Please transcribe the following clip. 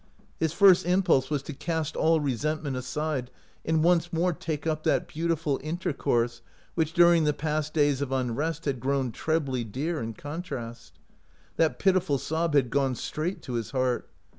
His first impulse was to cast all resentment aside and once more take up that beautiful intercourse which during the past days of unrest had grown trebly dear in contrast. That pitiful sob had gone straight to his heart.